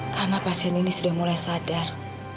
karena pasien ini sudah mulai sadar